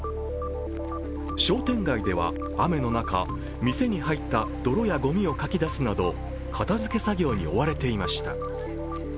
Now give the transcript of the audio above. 商店街では雨の中、店に入った泥やごみをかき出すなど片づけ作業に追われていました。